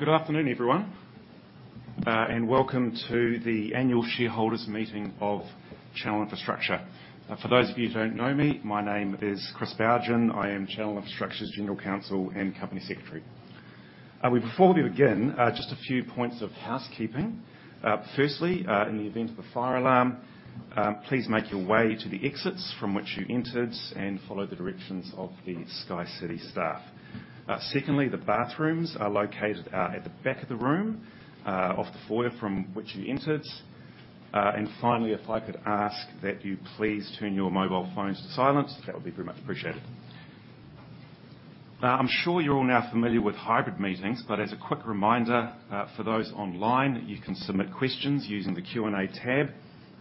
Good afternoon, everyone, welcome to the annual shareholders' meeting of Channel Infrastructure. For those of you who don't know me, my name is Chris Bougen. I am Channel Infrastructure's General Counsel and Company Secretary. Before we begin, just a few points of housekeeping. Firstly, in the event of a fire alarm, please make your way to the exits from which you entered, and follow the directions of the SkyCity staff. Secondly, the bathrooms are located at the back of the room, of the foyer from which you entered. Finally, if I could ask that you please turn your mobile phones to silent, that would be very much appreciated. I'm sure you're all now familiar with hybrid meetings, but as a quick reminder, for those online, you can submit questions using the Q&A tab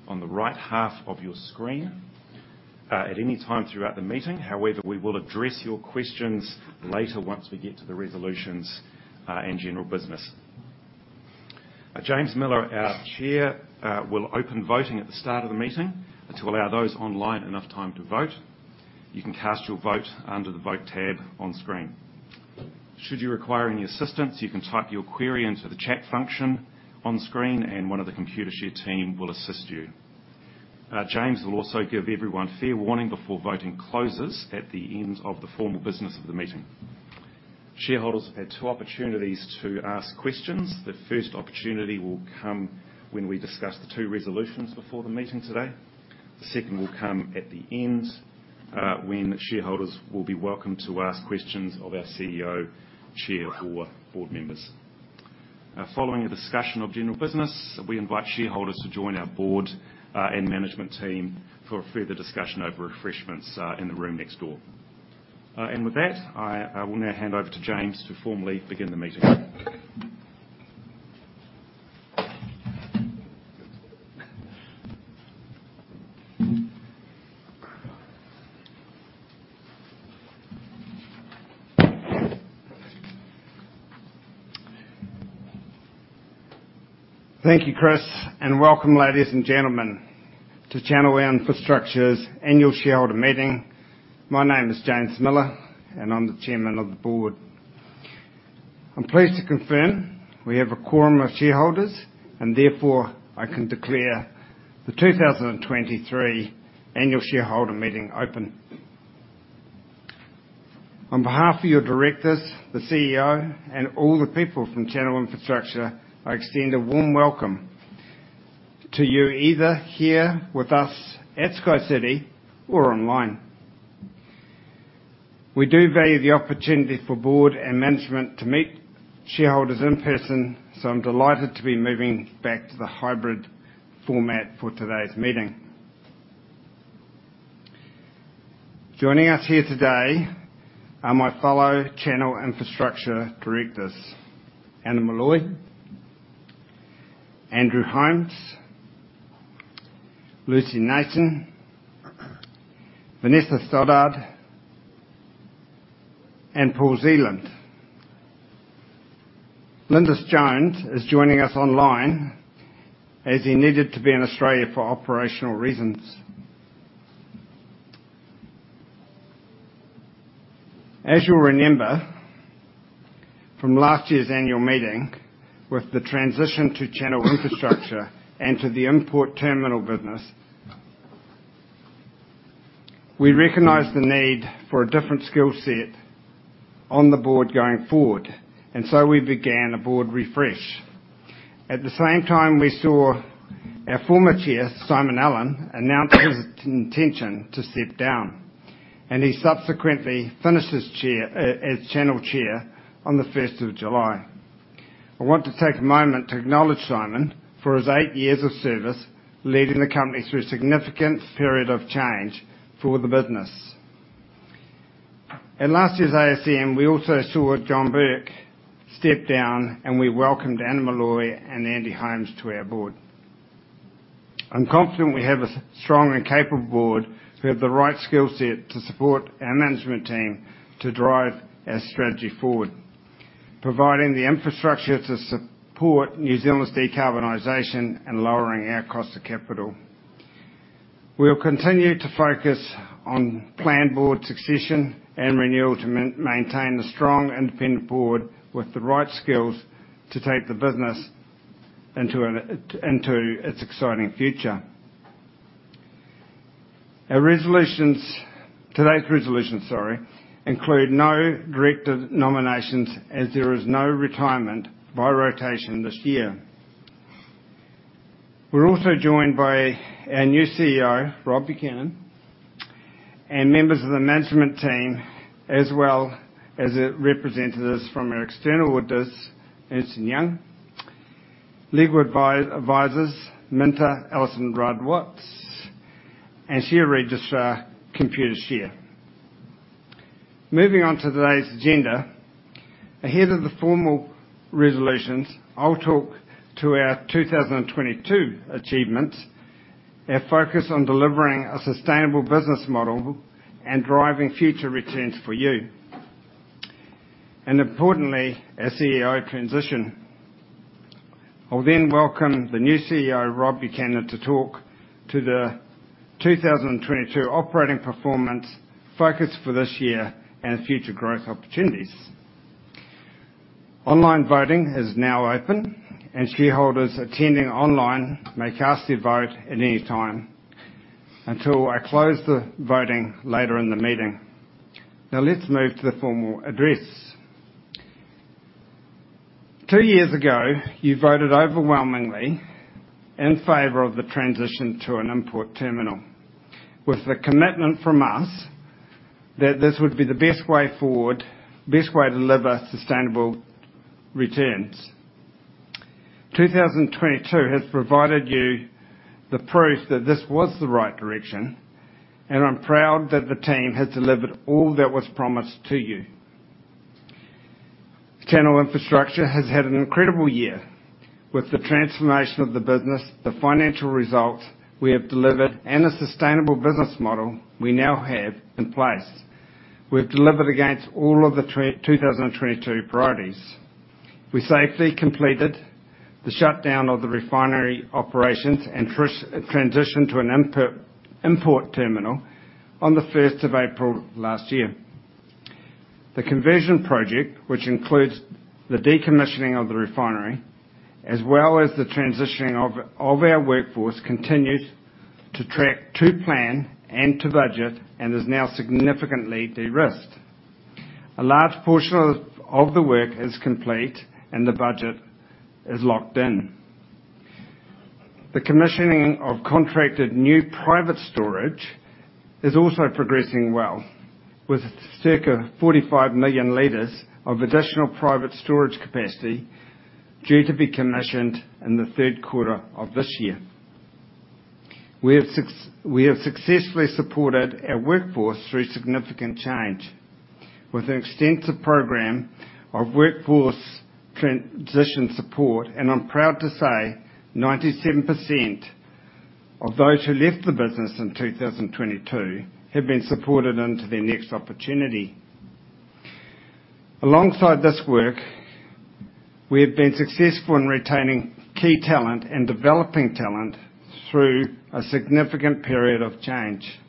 on the right half of your screen, at any time throughout the meeting. However, we will address your questions later once we get to the resolutions and general business. James Miller, our chair, will open voting at the start of the meeting to allow those online enough time to vote. You can cast your vote under the Vote tab on screen. Should you require any assistance, you can type your query into the chat function on screen, and one of the Computershare team will assist you. James will also give everyone fair warning before voting closes at the end of the formal business of the meeting. Shareholders will have two opportunities to ask questions. The first opportunity will come when we discuss the two resolutions before the meeting today. The second will come at the end, when shareholders will be welcome to ask questions of our CEO, chair, or board members. Following a discussion of general business, we invite shareholders to join our board and management team for further discussion over refreshments in the room next door. With that, I will now hand over to James to formally begin the meeting. Thank you, Chris, welcome, ladies and gentlemen, to Channel Infrastructure's annual shareholder meeting. My name is James Miller, I'm the Chairman of the board. I'm pleased to confirm we have a quorum of shareholders, therefore, I can declare the 2023 annual shareholder meeting open. On behalf of your directors, the CEO, and all the people from Channel Infrastructure, I extend a warm welcome to you either here with us at SkyCity or online. We do value the opportunity for board and management to meet shareholders in person, I'm delighted to be moving back to the hybrid format for today's meeting. Joining us here today are my fellow Channel Infrastructure directors, Anna Molloy, Andrew Holmes, Lucy Nation, Vanessa Stoddart, and Paul Zealand. Lindis Jones is joining us online as he needed to be in Australia for operational reasons. As you'll remember from last year's annual meeting, with the transition to Channel Infrastructure and to the import terminal business, we recognized the need for a different skill set on the board going forward. We began a board refresh. At the same time, we saw our former chair, Simon Allen, announce his intention to step down. He subsequently finished his chair as Channel chair on the 1st of July. I want to take a moment to acknowledge Simon for his eight years of service, leading the company through a significant period of change for the business. At last year's ASM, we also saw Lindis Jones step down. We welcomed Anna Molloy and Andy Holmes to our board. I'm confident we have a strong and capable board who have the right skill set to support our management team to drive our strategy forward, providing the infrastructure to support New Zealand's decarbonization and lowering our cost of capital. We'll continue to focus on planned board succession and renewal to maintain a strong independent board with the right skills to take the business into its exciting future. Our resolutions, today's resolutions, sorry, include no director nominations as there is no retirement by rotation this year. We're also joined by our new CEO, Rob Buchanan, and members of the management team, as well as the representatives from our external auditors, Ernst & Young. Legal advisors, MinterEllisonRuddWatts, and share registrar, Computershare. Moving on to today's agenda. Ahead of the formal resolutions, I'll talk to our 2022 achievements, our focus on delivering a sustainable business model and driving future returns for you. Importantly, our CEO transition. I'll then welcome the new CEO, Rob Buchanan, to talk to the 2022 operating performance focus for this year and future growth opportunities. Online voting is now open, and shareholders attending online may cast their vote at any time until I close the voting later in the meeting. Let's move to the formal address. Two years ago, you voted overwhelmingly in favor of the transition to an import terminal, with the commitment from us that this would be the best way forward, best way to deliver sustainable returns. 2022 has provided you the proof that this was the right direction, and I'm proud that the team has delivered all that was promised to you. Channel Infrastructure has had an incredible year. With the transformation of the business, the financial results we have delivered, and the sustainable business model we now have in place, we have delivered against all of the 2022 priorities. We safely completed the shutdown of the refinery operations and transitioned to an import terminal on the 1st of April last year. The conversion project, which includes the decommissioning of the refinery, as well as the transitioning of our workforce, continued to track to plan and to budget, and is now significantly de-risked. A large portion of the work is complete, and the budget is locked in. The commissioning of contracted new private storage is also progressing well, with circa 45 million liters of additional private storage capacity due to be commissioned in the third quarter of this year. We have successfully supported our workforce through significant change with an extensive program of workforce transition support. I'm proud to say 97% of those who left the business in 2022 have been supported into their next opportunity. Alongside this work, we have been successful in retaining key talent and developing talent through a significant period of change.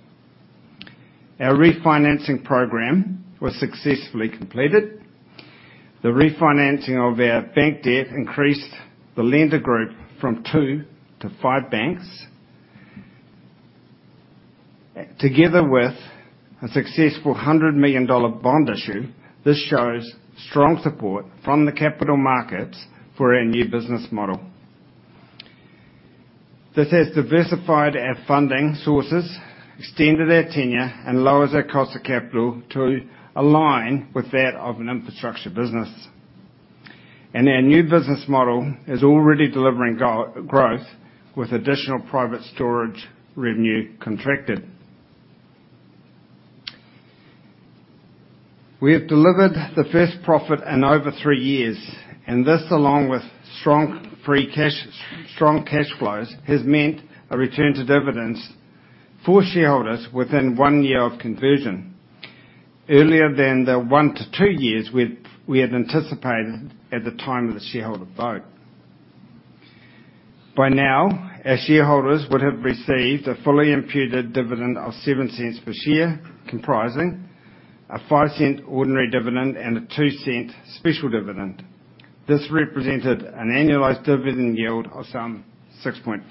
Our refinancing program was successfully completed. The refinancing of our bank debt increased the lender group from two to five banks. Together with a successful 100-million-dollar bond issue, this shows strong support from the capital markets for our new business model. This has diversified our funding sources, extended our tenure, and lowers our cost of capital to align with that of an infrastructure business. Our new business model is already delivering growth, with additional private storage revenue contracted. We have delivered the first profit in over three years, and this, along with strong cash flows, has meant a return to dividends for shareholders within one year of conversion, earlier than the one-two years we had anticipated at the time of the shareholder vote. By now, our shareholders would have received a fully imputed dividend of 0.07 per share, comprising a 0.05 ordinary dividend and a 0.02 special dividend. This represented an annualized dividend yield of some 6.5%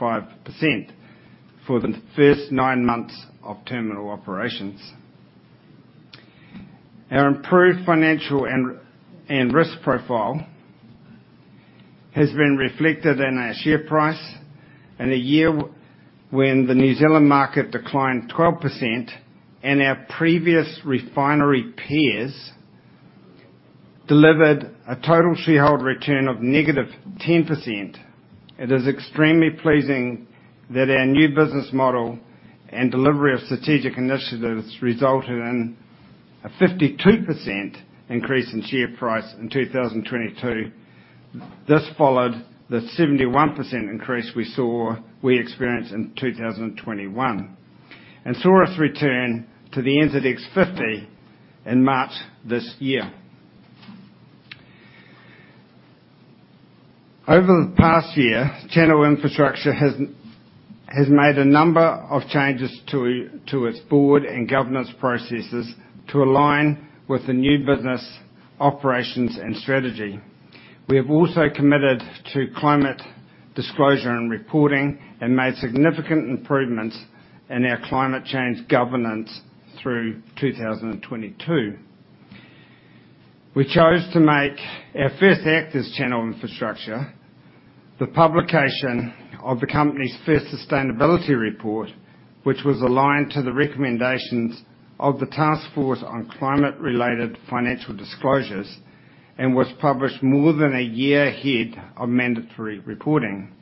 for the first 9 months of terminal operations. Our improved financial and risk profile has been reflected in our share price. In a year when the New Zealand market declined 12%, and our previous refinery peers delivered a total shareholder return of -10%, it is extremely pleasing that our new business model and delivery of strategic initiatives resulted in a 52% increase in share price in 2022. This followed the 71% increase we experienced in 2021 and saw us return to the NZX50 in March this year. Over the past year, Channel Infrastructure has made a number of changes to its board and governance processes to align with the new business operations and strategy. We have also committed to climate disclosure and reporting and made significant improvements in our climate change governance through 2022. We chose to make our first act as Channel Infrastructure the publication of the company's first sustainability report, which was aligned to the recommendations of the Task Force on Climate-related Financial Disclosures and was published more than one year ahead of mandatory reporting.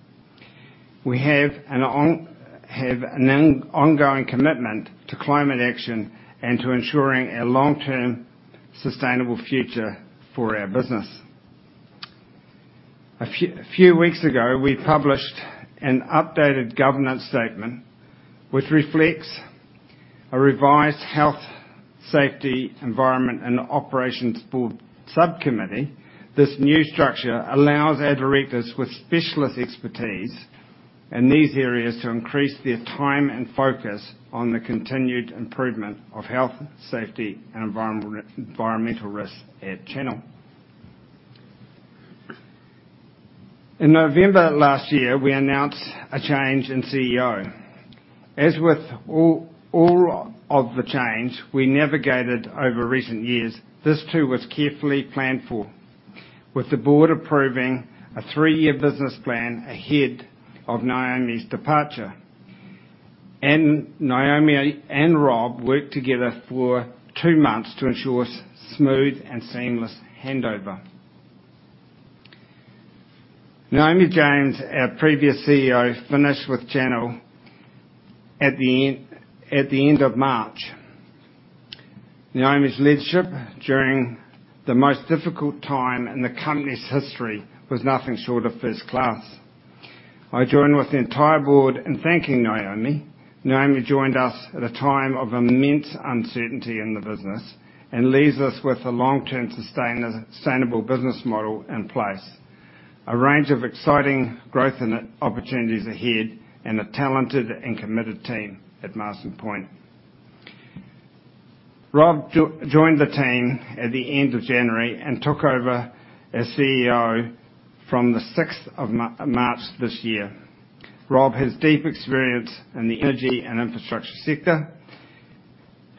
We have an ongoing commitment to climate action and to ensuring a long-term sustainable future for our business. A few weeks ago, we published an updated governance statement which reflects a revised health, safety, environment, and operations board subcommittee. This new structure allows our directors with specialist expertise in these areas to increase their time and focus on the continued improvement of health, safety, and environmental risk at Channel. In November last year, we announced a change in CEO. As with all of the change we navigated over recent years, this too was carefully planned for, with the Board approving a three-year business plan ahead of Naomi's departure, and Naomi and Rob worked together for two months to ensure a smooth and seamless handover. Naomi James, our previous CEO, finished with Channel at the end of March. Naomi's leadership during the most difficult time in the company's history was nothing short of first class. I join with the entire Board in thanking Naomi. Naomi joined us at a time of immense uncertainty in the business and leaves us with a long-term sustainable business model in place, a range of exciting growth and opportunities ahead, and a talented and committed team at Marsden Point. Rob joined the team at the end of January and took over as CEO from the sixth of March this year. Rob has deep experience in the energy and infrastructure sector.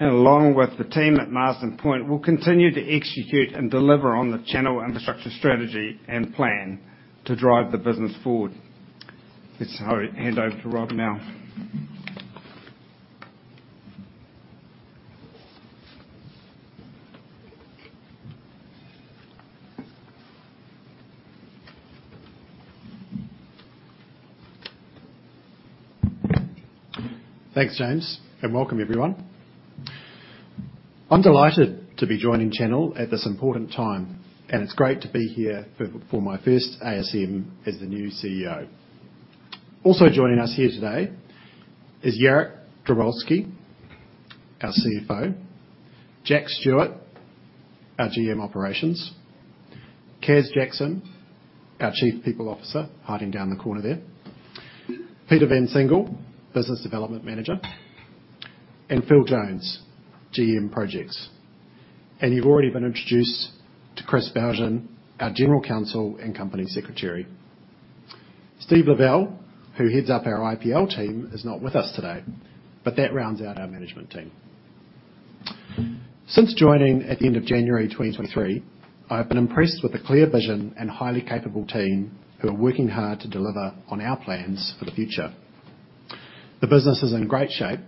Along with the team at Marsden Point, will continue to execute and deliver on the Channel Infrastructure strategy and plan to drive the business forward. Let's hand over to Rob now. Thanks, James. Welcome everyone. I'm delighted to be joining Channel at this important time, and it's great to be here for my first ASM as the new CEO. Also joining us here today is Jarek Dobrowolski, our CFO. Jack Stewart, our GM Operations. Caz Jackson, our Chief People Officer, hiding down the corner there. Peter van Cingel, Business Development Manager and Phil Jones, GM Projects. You've already been introduced to Chris Bougen, our General Counsel and Company Secretary. Steve Lavelle, who heads up our IPL team is not with us today, but that rounds out our management team. Since joining at the end of January 2023, I have been impressed with the clear vision and highly capable team who are working hard to deliver on our plans for the future. The business is in great shape,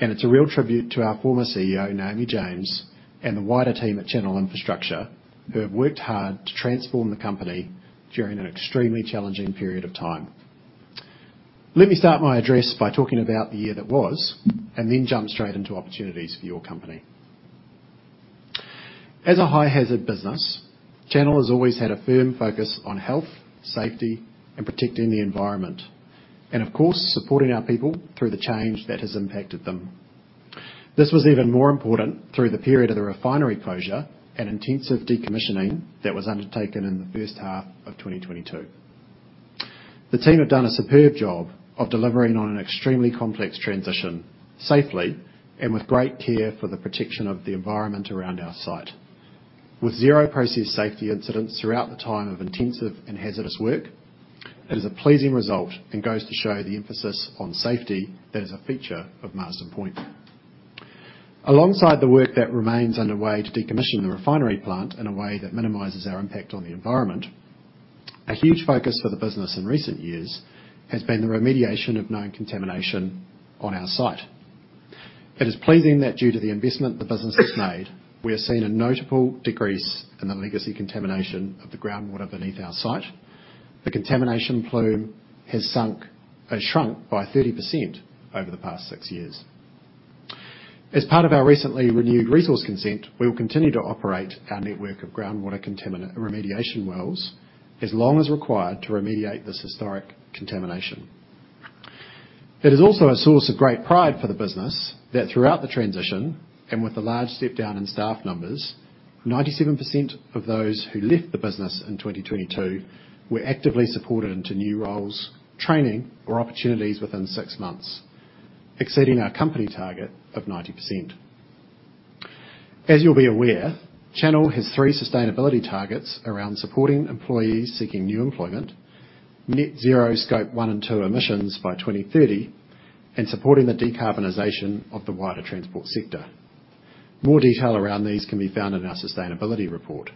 and it's a real tribute to our former CEO, Naomi James, and the wider team at Channel Infrastructure who have worked hard to transform the company during an extremely challenging period of time. Let me start my address by talking about the year that was, and then jump straight into opportunities for your company. As a high hazard business, Channel has always had a firm focus on health, safety, and protecting the environment, and of course, supporting our people through the change that has impacted them. This was even more important through the period of the refinery closure and intensive decommissioning that was undertaken in the first half of 2022. The team have done a superb job of delivering on an extremely complex transition safely and with great care for the protection of the environment around our site. With 0 process safety incidents throughout the time of intensive and hazardous work, it is a pleasing result and goes to show the emphasis on safety that is a feature of Marsden Point. Alongside the work that remains underway to decommission the refinery plant in a way that minimizes our impact on the environment, a huge focus for the business in recent years has been the remediation of known contamination on our site. It is pleasing that due to the investment the business has made, we are seeing a notable decrease in the legacy contamination of the groundwater beneath our site. The contamination plume has shrunk by 30% over the past six years. As part of our recently renewed resource consent, we will continue to operate our network of groundwater remediation wells as long as required to remediate this historic contamination. It is also a source of great pride for the business that throughout the transition, and with the large step down in staff numbers, 97% of those who left the business in 2022 were actively supported into new roles, training, or opportunities within six months, exceeding our company target of 90%. As you'll be aware, Channel has three sustainability targets around supporting employees seeking new employment, net zero Scope 1 and 2 emissions by 2030, and supporting the decarbonization of the wider transport sector. More detail around these can be found in our sustainability report.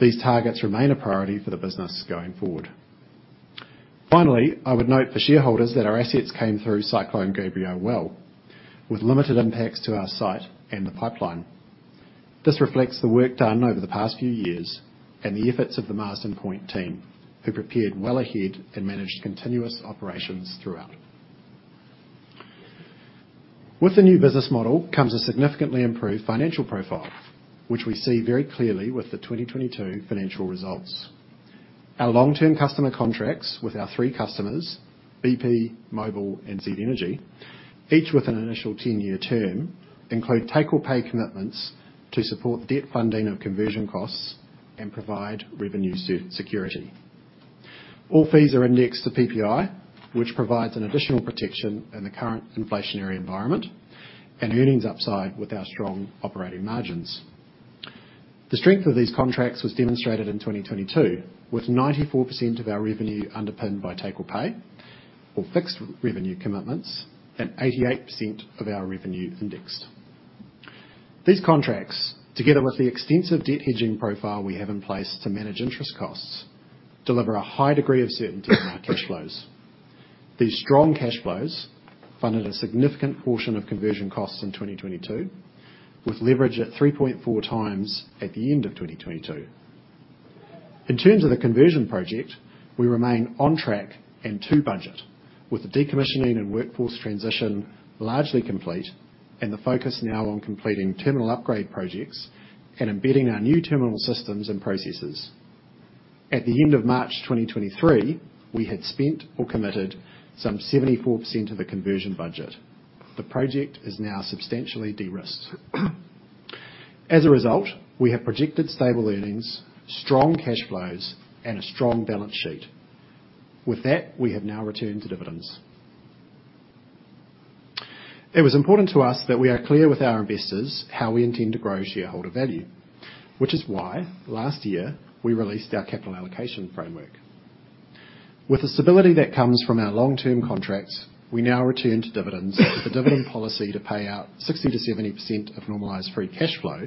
These targets remain a priority for the business going forward. I would note for shareholders that our assets came through Cyclone Gabrielle well, with limited impacts to our site and the pipeline. This reflects the work done over the past few years and the efforts of the Marsden Point team, who prepared well ahead and managed continuous operations throughout. With the new business model comes a significantly improved financial profile, which we see very clearly with the 2022 financial results. Our long-term customer contracts with our three customers, BP, Mobil, and Z Energy, each with an initial 10-year term, include take-or-pay commitments to support debt funding of conversion costs and provide revenue security. All fees are indexed to PPI, which provides an additional protection in the current inflationary environment and earnings upside with our strong operating margins. The strength of these contracts was demonstrated in 2022, with 94% of our revenue underpinned by take-or-pay or fixed revenue commitments and 88% of our revenue indexed. These contracts, together with the extensive debt hedging profile we have in place to manage interest costs, deliver a high degree of certainty in our cash flows. These strong cash flows funded a significant portion of conversion costs in 2022, with leverage at 3.4x at the end of 2022. In terms of the conversion project, we remain on track and to budget with the decommissioning and workforce transition largely complete and the focus now on completing terminal upgrade projects and embedding our new terminal systems and processes. At the end of March 2023, we had spent or committed some 74% of the conversion budget. The project is now substantially de-risked. As a result, we have projected stable earnings, strong cash flows, and a strong balance sheet. We have now returned to dividends. It was important to us that we are clear with our investors how we intend to grow shareholder value, which is why last year we released our capital allocation framework. With the stability that comes from our long-term contracts, we now return to dividends with a dividend policy to pay out 60%-70% of normalized free cash flow,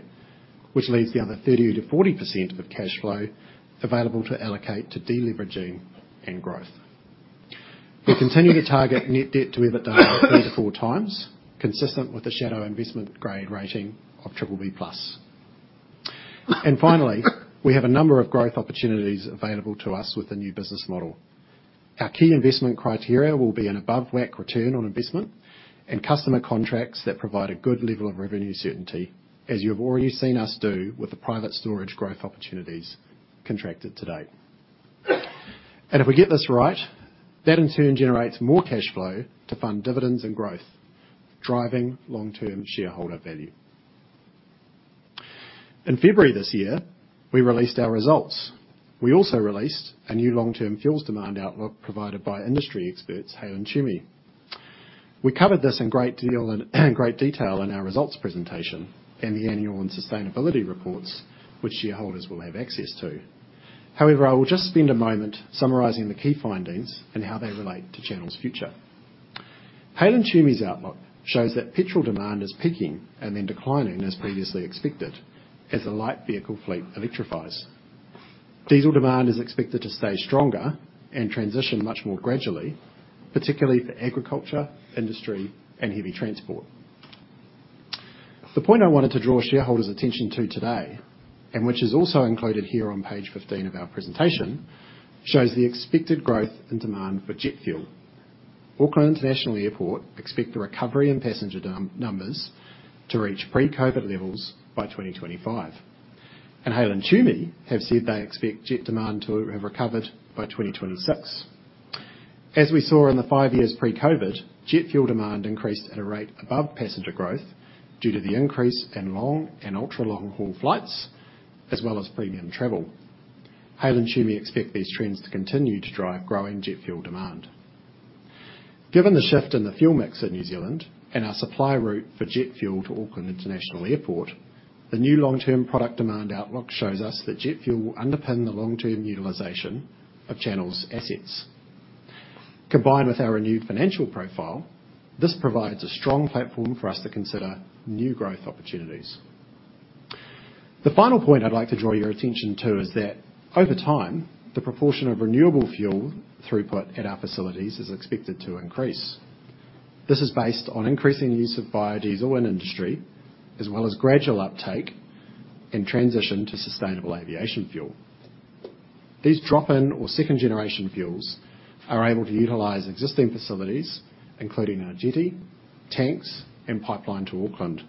which leaves the other 30%-40% of cash flow available to allocate to deleveraging and growth. We're continuing to target net debt to EBITDA 3-4x, consistent with the shadow investment grade rating of BBB+. Finally, we have a number of growth opportunities available to us with the new business model. Our key investment criteria will be an above-WACC return on investment and customer contracts that provide a good level of revenue certainty, as you have already seen us do with the private storage growth opportunities contracted to date. If we get this right, that in turn generates more cash flow to fund dividends and growth, driving long-term shareholder value. In February this year, we released our results. We also released a new long-term fuels demand outlook provided by industry experts, Hale & Twomey. We covered this in great detail in our results presentation and the annual and sustainability reports which shareholders will have access to. However, I will just spend a moment summarizing the key findings and how they relate to Channel's future. Hale & Twomey's outlook shows that petrol demand is peaking and then declining as previously expected as the light vehicle fleet electrifies. Diesel demand is expected to stay stronger and transition much more gradually, particularly for agriculture, industry, and heavy transport. The point I wanted to draw shareholders' attention to today, and which is also included here on page 15 of our presentation, shows the expected growth and demand for jet fuel. Auckland International Airport expect the recovery and passenger numbers to reach pre-COVID levels by 2025. Hale & Twomey have said they expect jet demand to have recovered by 2026. As we saw in the five years pre-COVID, jet fuel demand increased at a rate above passenger growth due to the increase in long and ultra-long haul flights, as well as premium travel. Hale & Twomey expect these trends to continue to drive growing jet fuel demand. Given the shift in the fuel mix in New Zealand and our supply route for jet fuel to Auckland International Airport, the new long-term product demand outlook shows us that jet fuel will underpin the long-term utilization of Channel's assets. Combined with our renewed financial profile, this provides a strong platform for us to consider new growth opportunities. The final point I'd like to draw your attention to is that over time, the proportion of renewable fuel throughput at our facilities is expected to increase. This is based on increasing use of biodiesel in industry, as well as gradual uptake in transition to sustainable aviation fuel. These drop-in or second-generation fuels are able to utilize existing facilities, including our jetty, tanks, and pipeline to Auckland.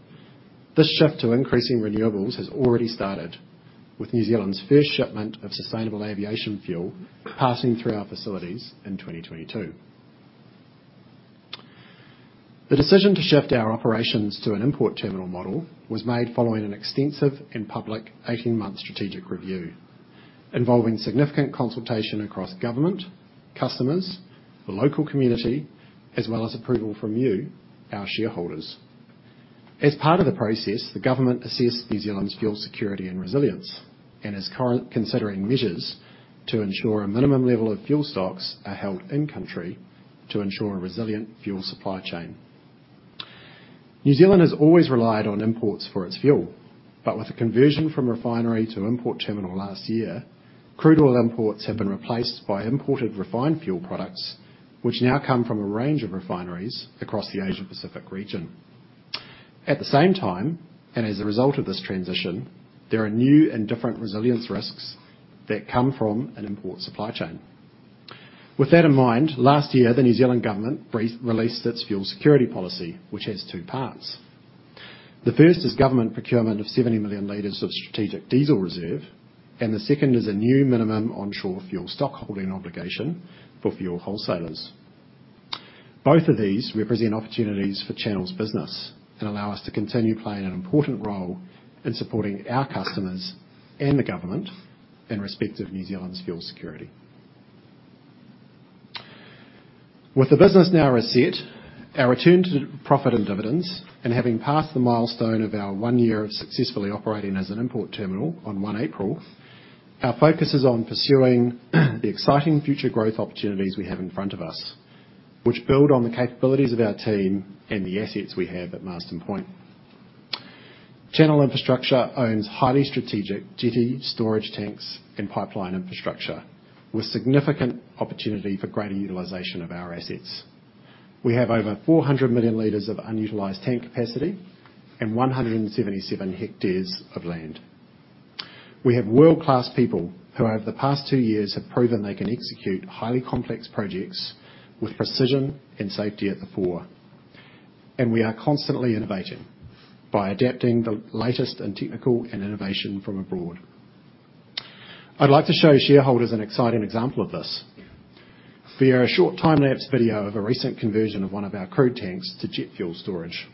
This shift to increasing renewables has already started with New Zealand's first shipment of sustainable aviation fuel passing through our facilities in 2022. The decision to shift our operations to an import terminal model was made following an extensive and public 18-month strategic review, involving significant consultation across government, customers, the local community, as well as approval from you, our shareholders. As part of the process, the government assessed New Zealand's fuel security and resilience and is considering measures to ensure a minimum level of fuel stocks are held in country to ensure a resilient fuel supply chain. New Zealand has always relied on imports for its fuel, but with the conversion from refinery to import terminal last year, crude oil imports have been replaced by imported refined fuel products, which now come from a range of refineries across the Asia-Pacific region. At the same time, and as a result of this transition, there are new and different resilience risks that come from an import supply chain. With that in mind, last year, the New Zealand government released its fuel security policy, which has two parts. The first is government procurement of 70 million liters of strategic diesel reserve, and the second is a new minimum onshore fuel stockholding obligation for fuel wholesalers. Both of these represent opportunities for Channel's business and allow us to continue playing an important role in supporting our customers and the government in respect of New Zealand's fuel security. With the business now reset, our return to profit and dividends, and having passed the milestone of our one year of successfully operating as an import terminal on one April, our focus is on pursuing the exciting future growth opportunities we have in front of us, which build on the capabilities of our team and the assets we have at Marsden Point. Channel Infrastructure owns highly strategic jetty storage tanks and pipeline infrastructure with significant opportunity for greater utilization of our assets. We have over 400 million liters of unutilized tank capacity and 177 hectares of land. We have world-class people who over the past two years have proven they can execute highly complex projects with precision and safety at the fore. We are constantly innovating by adapting the latest in technical and innovation from abroad. I'd like to show shareholders an exciting example of this via a short time-lapse video of a recent conversion of one of our crude tanks to jet fuel storage.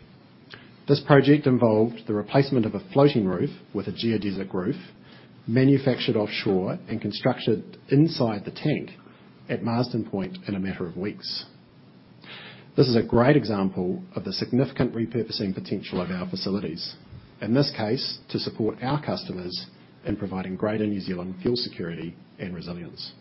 This project involved the replacement of a floating roof with a geodesic dome roof manufactured offshore and constructed inside the tank at Marsden Point in a matter of weeks. This is a great example of the significant repurposing potential of our facilities. In this case, to support our customers in providing Greater New Zealand fuel security and resilience.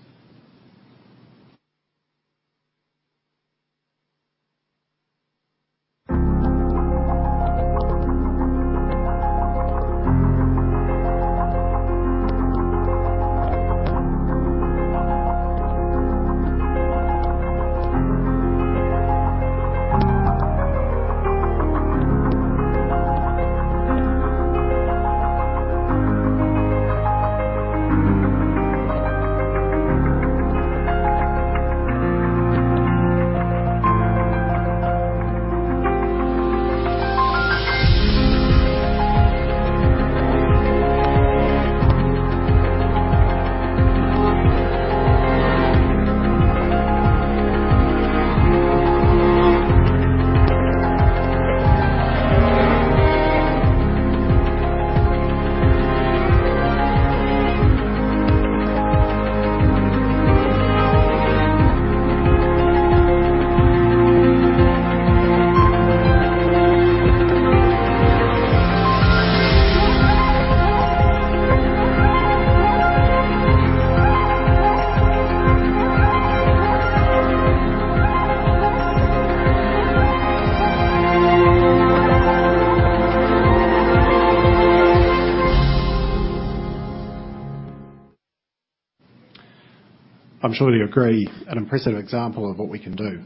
I'm sure you agree, an impressive example of what we can do.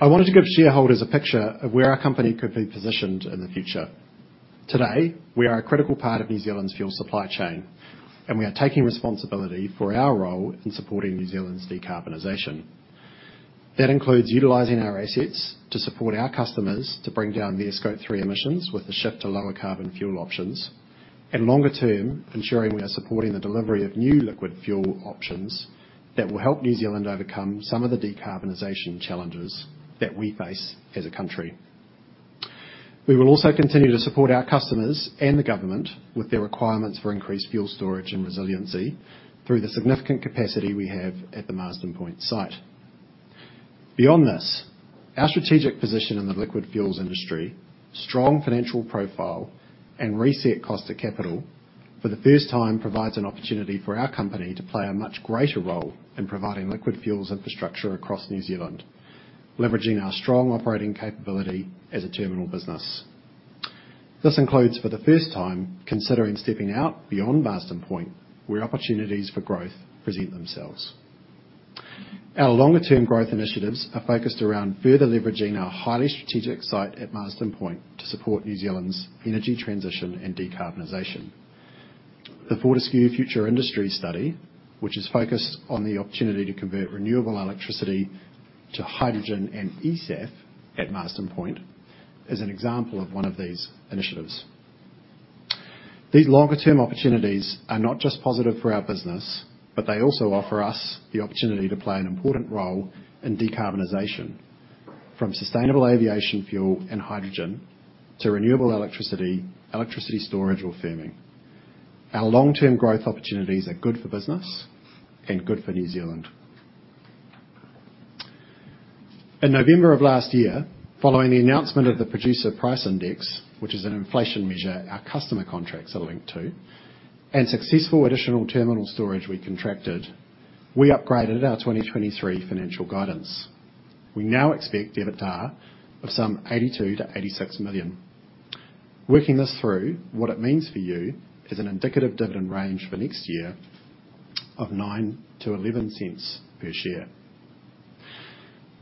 I wanted to give shareholders a picture of where our company could be positioned in the future. Today, we are a critical part of New Zealand's fuel supply chain, and we are taking responsibility for our role in supporting New Zealand's decarbonization. That includes utilizing our assets to support our customers to bring down their Scope 3 emissions with the shift to lower carbon fuel options. Longer term, ensuring we are supporting the delivery of new liquid fuel options that will help New Zealand overcome some of the decarbonization challenges that we face as a country. We will also continue to support our customers and the government with their requirements for increased fuel storage and resiliency through the significant capacity we have at the Marsden Point site. Beyond this, our strategic position in the liquid fuels industry, strong financial profile, and reset cost of capital, for the first time, provides an opportunity for our company to play a much greater role in providing liquid fuels infrastructure across New Zealand, leveraging our strong operating capability as a terminal business. This includes, for the first time, considering stepping out beyond Marsden Point, where opportunities for growth present themselves. Our longer term growth initiatives are focused around further leveraging our highly strategic site at Marsden Point to support New Zealand's energy transition and decarbonization. The Fortescue Future Industries study, which is focused on the opportunity to convert renewable electricity to hydrogen and eSAF at Marsden Point, is an example of one of these initiatives. These longer term opportunities are not just positive for our business, but they also offer us the opportunity to play an important role in decarbonization from sustainable aviation fuel and hydrogen to renewable electricity storage or firming. Our long-term growth opportunities are good for business and good for New Zealand. In November of last year, following the announcement of the Producer Price Index, which is an inflation measure our customer contracts are linked to, and successful additional terminal storage we contracted, we upgraded our 2023 financial guidance. We now expect EBITDA of some 82 million-86 million. Working this through, what it means for you is an indicative dividend range for next year of 0.09-0.11 per share.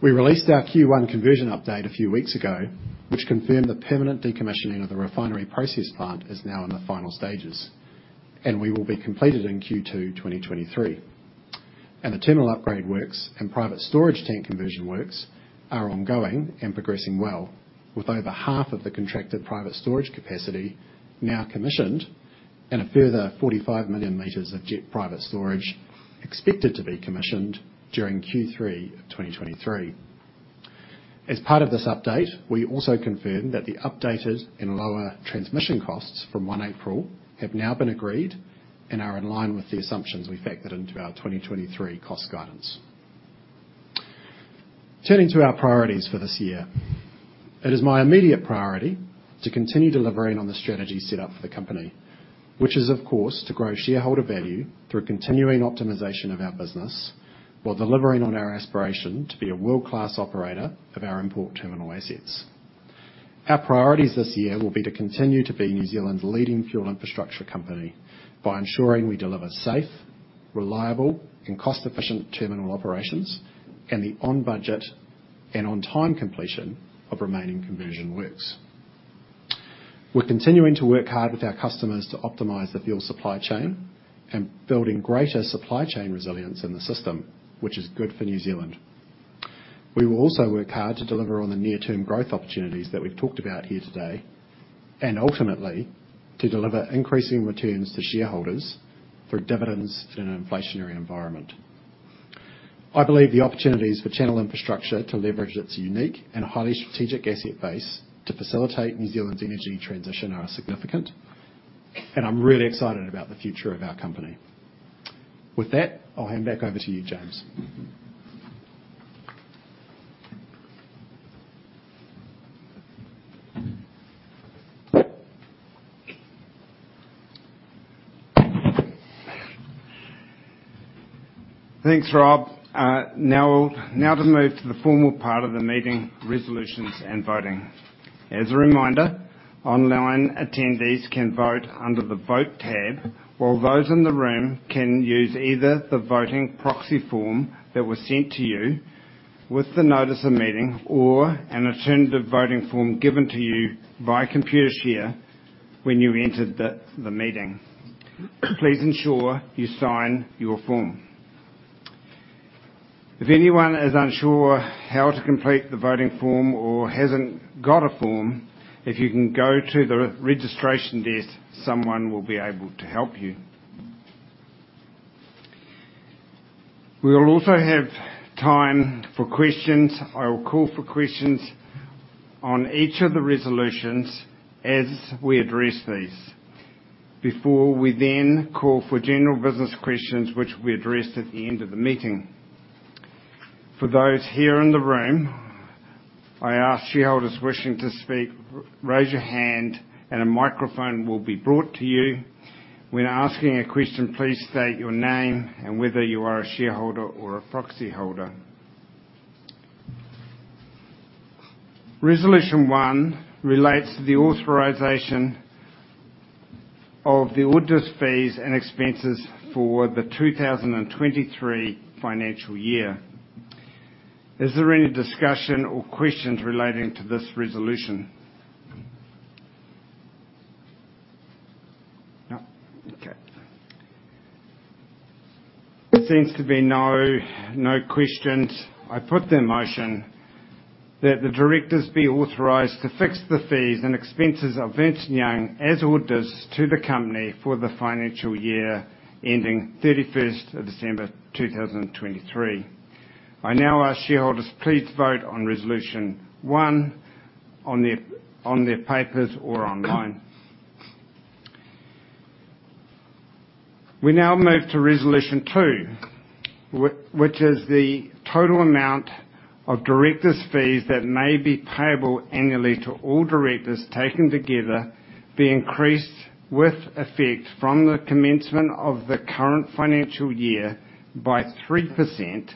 We released our Q1 conversion update a few weeks ago, which confirmed the permanent decommissioning of the refinery process plant is now in the final stages, and we will be completed in Q2 2023. The terminal upgrade works and private storage tank conversion works are ongoing and progressing well, with over half of the contracted private storage capacity now commissioned and a further 45 million liters of jet private storage expected to be commissioned during Q3 of 2023. As part of this update, we also confirmed that the updated and lower transmission costs from 1 April have now been agreed and are in line with the assumptions we factored into our 2023 cost guidance. Turning to our priorities for this year. It is my immediate priority to continue delivering on the strategy set up for the company, which is, of course, to grow shareholder value through continuing optimization of our business, while delivering on our aspiration to be a world-class operator of our import terminal assets. Our priorities this year will be to continue to be New Zealand's leading fuel infrastructure company by ensuring we deliver safe, reliable, and cost-efficient terminal operations and the on-budget and on-time completion of remaining conversion works. We're continuing to work hard with our customers to optimize the fuel supply chain and building greater supply chain resilience in the system, which is good for New Zealand. We will also work hard to deliver on the near-term growth opportunities that we've talked about here today, and ultimately, to deliver increasing returns to shareholders through dividends in an inflationary environment. I believe the opportunities for Channel Infrastructure to leverage its unique and highly strategic asset base to facilitate New Zealand's energy transition are significant, and I'm really excited about the future of our company. With that, I'll hand back over to you, James. Thanks, Rob. Now to move to the formal part of the meeting, resolutions and voting. As a reminder, online attendees can vote under the Vote tab, while those in the room can use either the voting proxy form that was sent to you with the notice of meeting or an alternative voting form given to you via Computershare when you entered the meeting. Please ensure you sign your form. If anyone is unsure how to complete the voting form or hasn't got a form, if you can go to the registration desk, someone will be able to help you. We will also have time for questions. I will call for questions on each of the resolutions as we address these before we call for general business questions, which will be addressed at the end of the meeting. For those here in the room, I ask shareholders wishing to speak, raise your hand and a microphone will be brought to you. When asking a question, please state your name and whether you are a shareholder or a proxyholder. Resolution 1 relates to the authorization of the auditors' fees and expenses for the 2023 financial year. Is there any discussion or questions relating to this resolution? No. Okay. There seems to be no questions. I put the motion that the directors be authorized to fix the fees and expenses of Ernst & Young as auditors to the company for the financial year ending 31st of December 2023. I now ask shareholders, please vote on Resolution 1 on their papers or online. We now move to resolution 2, which is the total amount of directors' fees that may be payable annually to all directors taken together be increased with effect from the commencement of the current financial year by 3%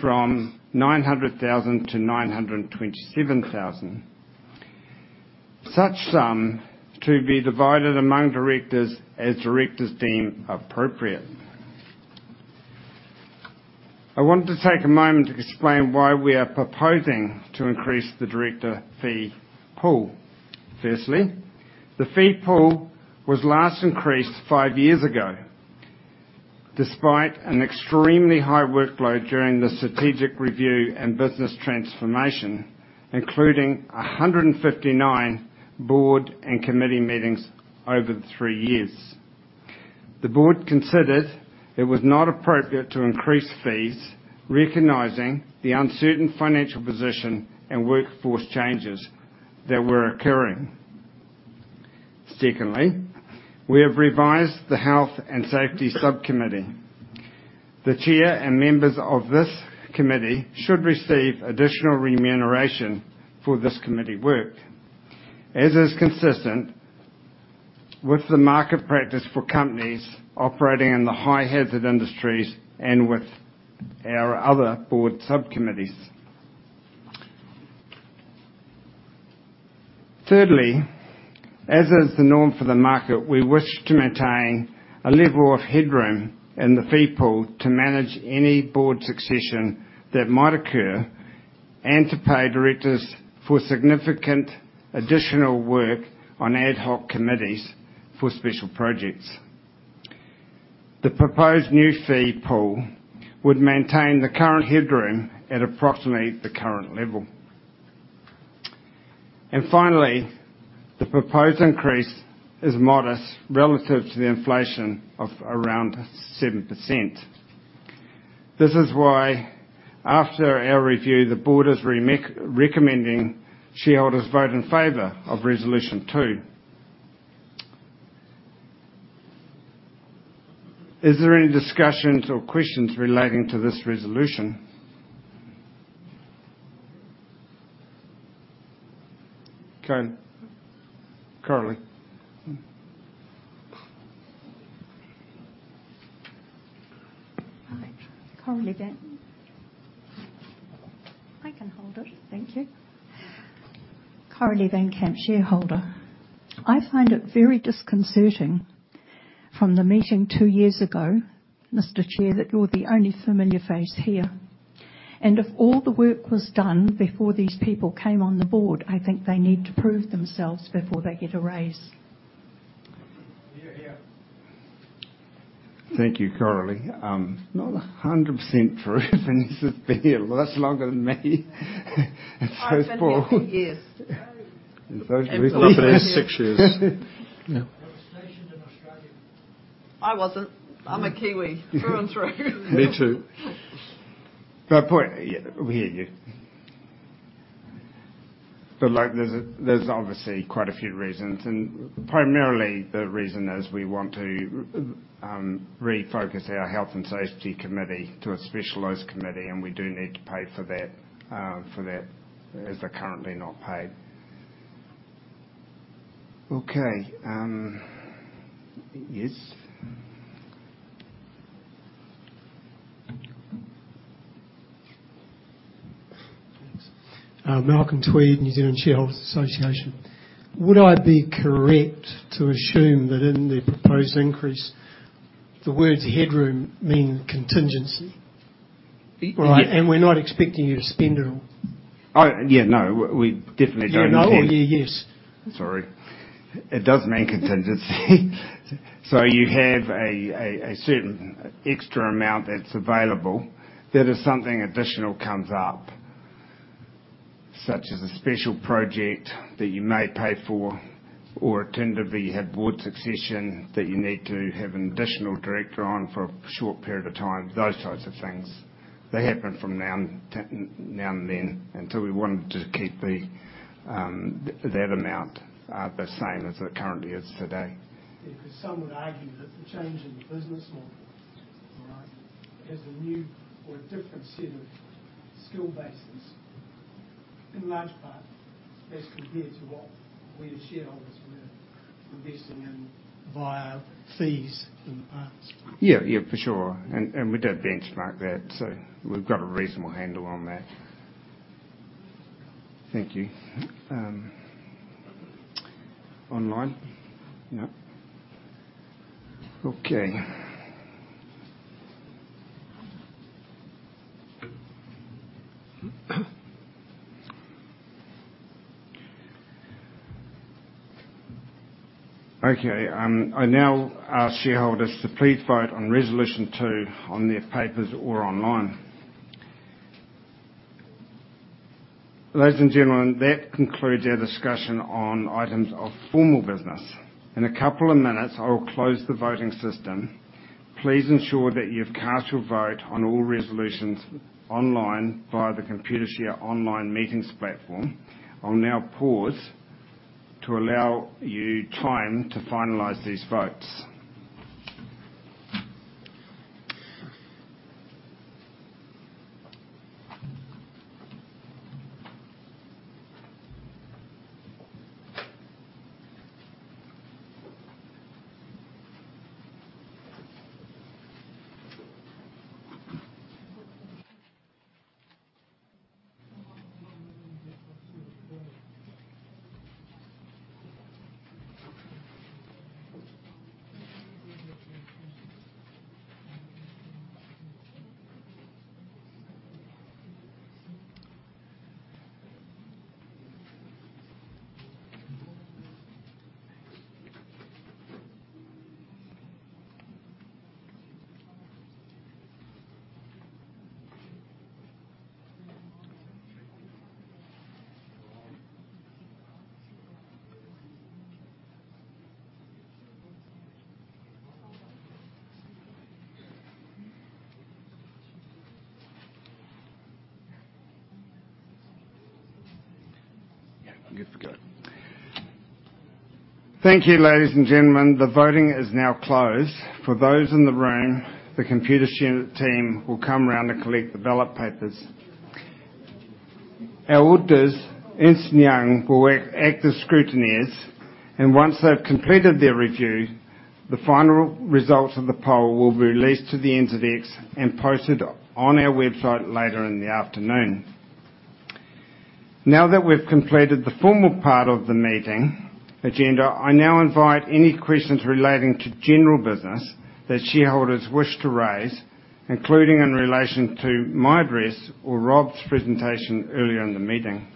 from 900,000 to 927,000. Such sum to be divided among directors as directors deem appropriate. I want to take a moment to explain why we are proposing to increase the director fee pool. Firstly, the fee pool was last increased five years ago, despite an extremely high workload during the strategic review and business transformation, including 159 board and committee meetings over the three years. The board considered it was not appropriate to increase fees, recognizing the uncertain financial position and workforce changes that were occurring. Secondly, we have revised the Health and Safety Subcommittee. The chair and members of this committee should receive additional remuneration for this committee work, as is consistent with the market practice for companies operating in the high-hazard industries and with our other board subcommittees. Thirdly, as is the norm for the market, we wish to maintain a level of headroom in the fee pool to manage any board succession that might occur and to pay directors for significant additional work on ad hoc committees for special projects. The proposed new fee pool would maintain the current headroom at approximately the current level. Finally, the proposed increase is modest relative to the inflation of around 7%. This is why, after our review, the board is recommending shareholders vote in favor of Resolution 2. Is there any discussions or questions relating to this resolution? Okay. Coralie. Hi. Coralie van. I can hold it. Thank you. Coralie van Camp, shareholder. I find it very disconcerting from the meeting two years ago, Mr. Chair, that you're the only familiar face here. If all the work was done before these people came on the board, I think they need to prove themselves before they get a raise. Thank you, Coralie. Not 100% true. Vanessa's been here much longer than me. So has Paul. I've been here four years We've been here six years. Yeah. You were stationed in Australia. I wasn't. I'm a Kiwi through and through. Me too. We hear you. Like there's obviously quite a few reasons. Primarily the reason is we want to refocus our health and safety committee to a specialized committee, and we do need to pay for that, for that, as they're currently not paid. Okay, yes. Thanks. Malcolm Tweed, New Zealand Shareholders Association. Would I be correct to assume that in the proposed increase, the words headroom mean contingency? Right. We're not expecting you to spend it all Oh, yeah, no. Yeah, no, or yeah, yes. Sorry. It does mean contingency. You have a certain extra amount that's available that if something additional comes up, such as a special project that you may pay for or alternatively you have board succession that you need to have an additional director on for a short period of time, those types of things. They happen from now and then. We wanted to keep that amount the same as it currently is today. Yeah, 'cause some would argue that the change in the business model, all right, has a new or a different set of skill bases, in large part as compared to what we as shareholders were investing in via fees in the past. Yeah, for sure. We did benchmark that, so we've got a reasonable handle on that. Thank you. Online? No. Okay. I now ask shareholders to please vote on Resolution Two on their papers or online. Ladies and gentlemen, that concludes our discussion on items of formal business. In a couple of minutes, I will close the voting system. Please ensure that you've cast your vote on all resolutions online via the Computershare online meetings platform. I'll now pause to allow you time to finalize these votes. Yeah, you're good to go. Thank you, ladies and gentlemen. The voting is now closed. For those in the room, the Computershare team will come round to collect the ballot papers. Our auditors, Ernst & Young, will act as scrutineers, and once they've completed their review. The final results of the poll will be released to the NZX and posted on our website later in the afternoon. That we've completed the formal part of the meeting agenda, I now invite any questions relating to general business that shareholders wish to raise, including in relation to my address or Rob's presentation earlier in the meeting.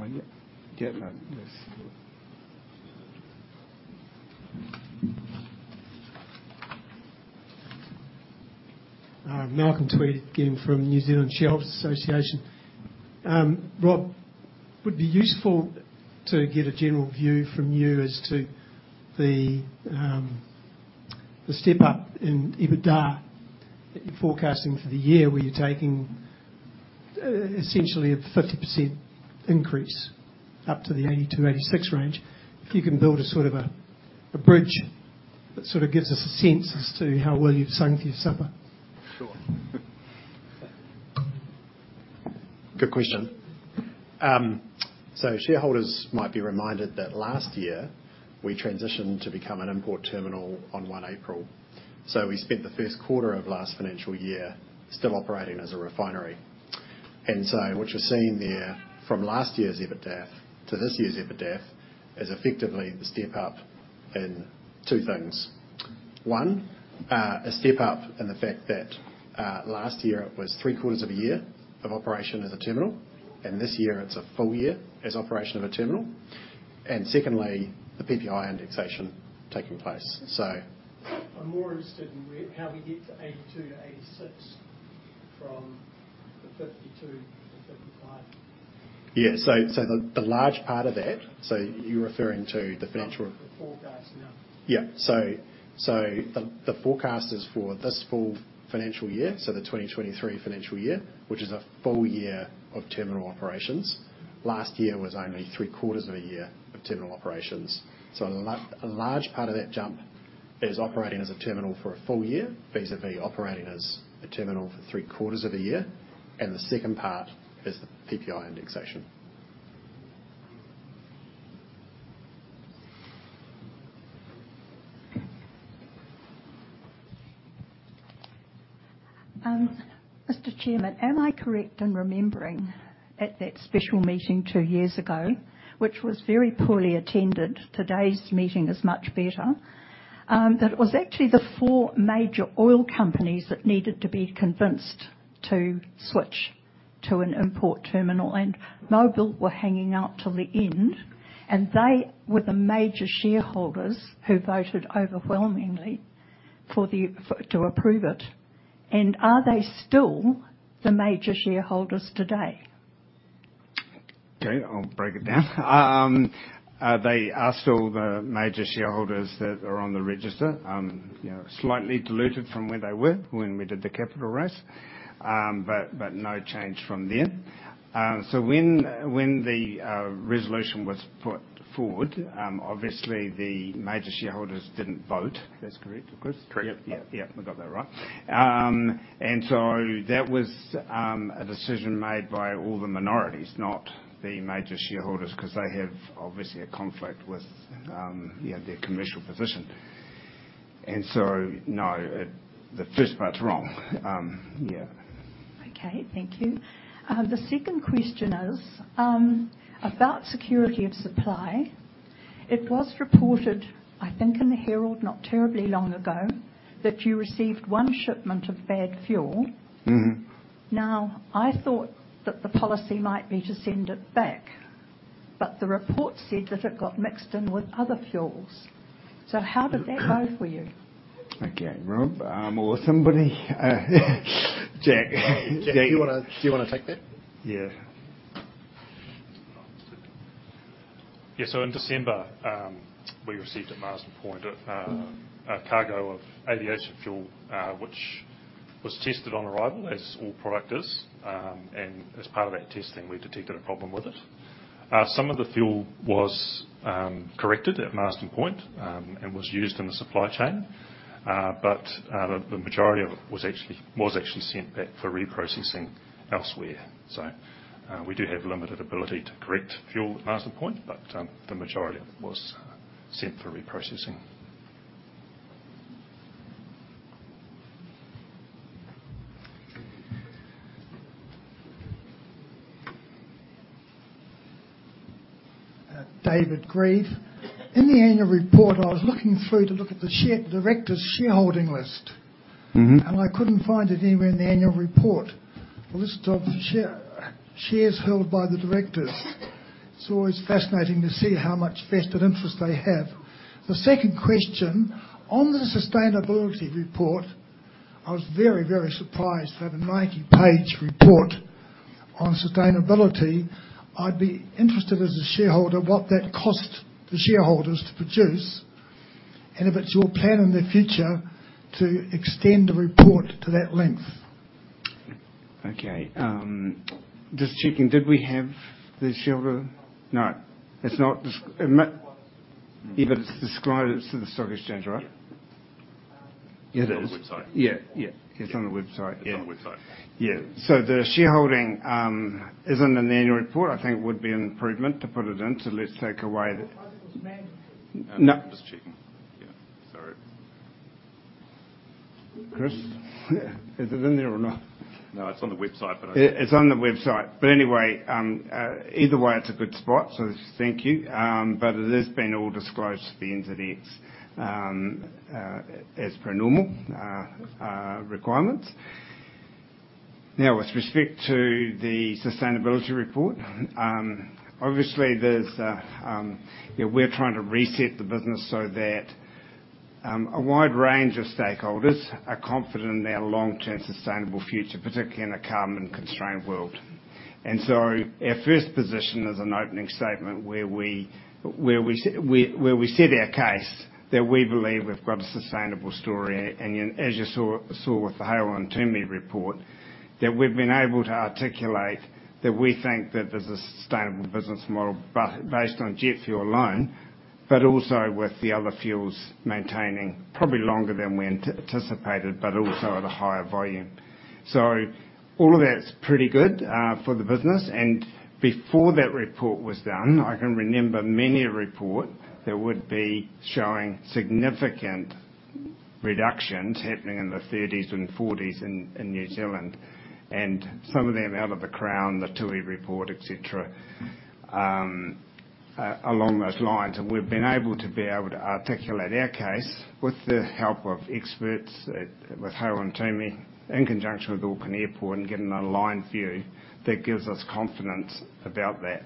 Are you? Yeah. Yes. Malcolm Tweed again from New Zealand Shareholders' Association. Rob, would it be useful to get a general view from you as to the step up in EBITDA that you're forecasting for the year, where you're taking essentially a 50% increase up to the 82 million-86 million range. If you can build a sort of a bridge that sort of gives us a sense as to how well you've sung for your supper. Sure. Good question. Shareholders might be reminded that last year we transitioned to become an import terminal on one April. We spent the first quarter of last financial year still operating as a refinery. What you're seeing there from last year's EBITDA to this year's EBITDA is effectively the step up in two things. One, a step up in the fact that, last year was three-quarters of a year of operation as a terminal, and this year it's a full year as operation of a terminal. Secondly, the PPI indexation taking place. I'm more interested in how we get to 82-86 from the 52-55. Yeah. The large part of that, so you're referring to the financial-. The forecast now. Yeah. The forecast is for this full financial year, the 2023 financial year, which is a full year of terminal operations. Last year was only three-quarters of a year of terminal operations. A large part of that jump is operating as a terminal for a full year, vis-à-vis operating as a terminal for three-quarters of a year. The second part is the PPI indexation. Mr. Chairman, am I correct in remembering at that special meeting two years ago, which was very poorly attended, today's meeting is much better, that it was actually the four major oil companies that needed to be convinced to switch to an import terminal, and Mobil were hanging out till the end? They were the major shareholders who voted overwhelmingly for to approve it. Are they still the major shareholders today? Okay, I'll break it down. They are still the major shareholders that are on the register. You know, slightly diluted from where they were when we did the capital raise. No change from then. When the resolution was put forward, obviously the major shareholders didn't vote. That's correct, of course? Correct. Yeah. Yeah. We got that right. That was a decision made by all the minorities, not the major shareholders, 'cause they have obviously a conflict with, you know, their commercial position. No, the first part's wrong. Yeah. Okay. Thank you. The second question is about security of supply. It was reported, I think in The Herald not terribly long ago, that you received one shipment of bad fuel. I thought that the policy might be to send it back, but the report said that it got mixed in with other fuels. How did that go for you? Rob, or somebody. Jack. Do you wanna take that? In December, we received at Marsden Point a cargo of aviation fuel, which was tested on arrival, as all product is. As part of that testing, we detected a problem with it. Some of the fuel was corrected at Marsden Point, was used in the supply chain. The majority of it was actually sent back for reprocessing elsewhere. We do have limited ability to correct fuel at Marsden Point, the majority of it was sent for reprocessing. David Grieve. In the annual report, I was looking through to look at the directors' shareholding list. I couldn't find it anywhere in the annual report. The list of shares held by the directors. It's always fascinating to see how much vested interest they have. The second question, on the sustainability report, I was very, very surprised to have a 90-page report on sustainability. I'd be interested as a shareholder what that cost the shareholders to produce, and if it's your plan in the future to extend the report to that length. Okay. just checking, did we have the shareholder? No. Yeah, but it's disclosed. It's to the stock exchange, right? It is. On the website. Yeah, yeah. It's on the website. Yeah. It's on the website. Yeah. The shareholding is in the annual report. I think it would be an improvement to put it into I'm just checking. Yeah. Sorry. Chris? Is it in there or not? No, it's on the website, but. It's on the website. Anyway, either way, it's a good spot, so thank you. It has been all disclosed to the NZX as per normal requirements. Now, with respect to the sustainability report, obviously there's, yeah, we're trying to reset the business so that a wide range of stakeholders are confident in our long-term sustainable future, particularly in a carbon-constrained world. Our first position is an opening statement where we set our case that we believe we've got a sustainable story. As you saw with the Hale & Twomey report, that we've been able to articulate that we think that there's a sustainable business model based on jet fuel alone, but also with the other fuels maintaining probably longer than we anticipated, but also at a higher volume. All of that's pretty good for the business. Before that report was done, I can remember many a report that would be showing significant reductions happening in the thirties and forties in New Zealand. Some of them out of the Crown, the Twomey report, et cetera, along those lines. We've been able to articulate our case with the help of experts with Hale & Twomey, in conjunction with Auckland Airport, and get an aligned view that gives us confidence about that.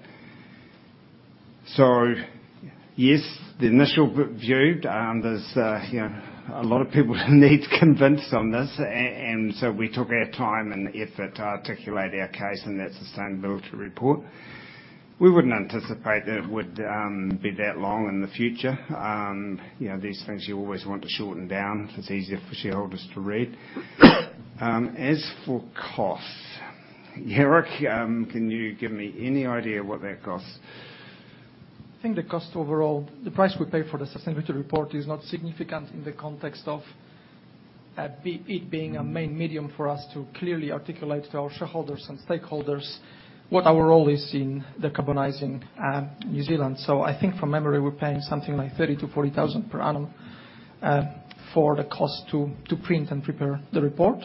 Yes, the initial view, there's, you know, a lot of people who need to convince on this. We took our time and effort to articulate our case in that sustainability report. We wouldn't anticipate that it would be that long in the future. You know, these things you always want to shorten down. It's easier for shareholders to read. As for cost, Jarek, can you give me any idea what that costs? I think the cost overall, the price we pay for the sustainability report is not significant in the context of it being a main medium for us to clearly articulate to our shareholders and stakeholders what our role is in decarbonizing New Zealand. I think from memory, we're paying something like 30,000-40,000 per annum for the cost to print and prepare the report.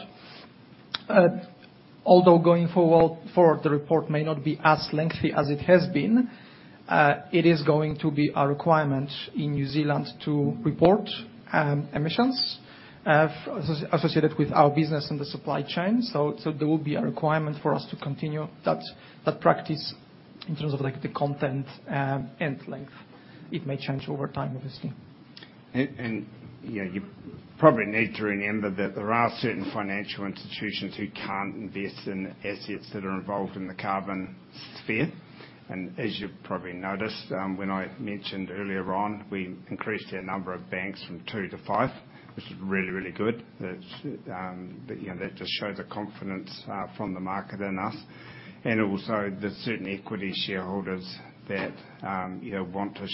Although going forward, the report may not be as lengthy as it has been, it is going to be a requirement in New Zealand to report emissions associated with our business and the supply chain. There will be a requirement for us to continue that practice in terms of, like, the content and length. It may change over time, obviously. You know, you probably need to remember that there are certain financial institutions who can't invest in assets that are involved in the carbon sphere. As you've probably noticed, when I mentioned earlier on, we increased our number of banks from two to five, which is really good. That, you know, that just shows the confidence from the market in us. Also, there's certain equity shareholders that, you know, want to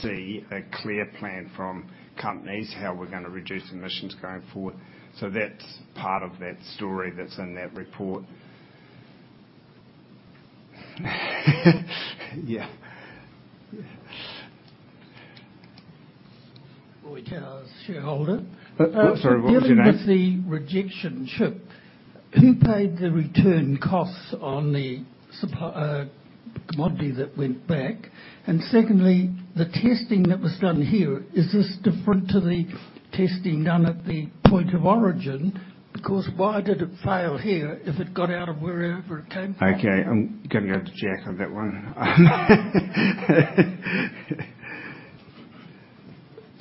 see a clear plan from companies how we're gonna reduce emissions going forward. That's part of that story that's in that report. Yeah. Yeah. Roy Taylor, shareholder. Sorry, what was your name? Dealing with the rejection ship, who paid the return costs on the commodity that went back? Secondly, the testing that was done here, is this different to the testing done at the point of origin? Why did it fail here if it got out of wherever it came from? Okay, I'm gonna go to Jack on that one.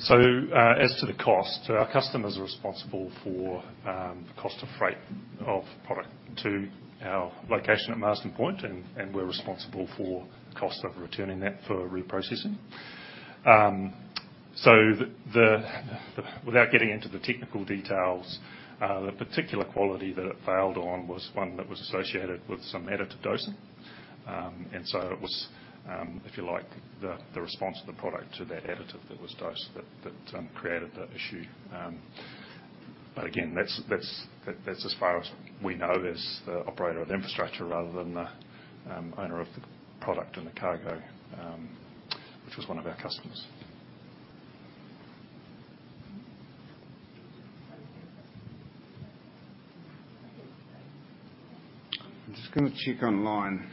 As to the cost, our customers are responsible for cost of freight of product to our location at Marsden Point, and we're responsible for cost of returning that for reprocessing. Without getting into the technical details, the particular quality that it failed on was one that was associated with some additive dosing. It was, if you like, the response of the product to that additive that was dosed that created the issue. Again, that's as far as we know as the operator of infrastructure rather than the owner of the product and the cargo, which was one of our customers. I'm just gonna check online.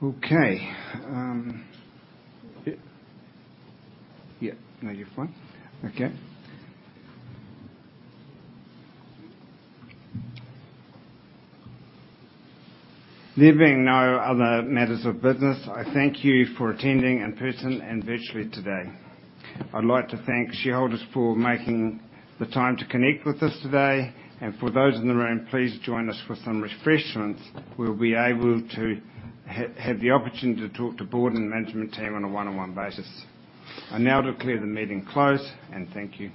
No. Okay. yeah. No, you're fine. Okay. There being no other matters of business, I thank you for attending in person and virtually today. I'd like to thank shareholders for making the time to connect with us today. For those in the room, please join us for some refreshments. We'll be able to have the opportunity to talk to board and management team on a one-on-one basis. I now declare the meeting closed. Thank you.